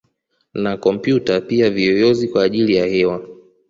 Na kompyuta pia viyoyozi kwa ajili ya hewa